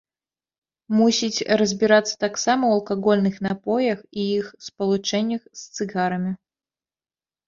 Мусіць разбірацца таксама ў алкагольных напоях і іх спалучэннях з цыгарамі.